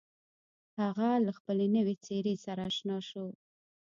هغه له خپلې نوې څېرې سره اشنا شو.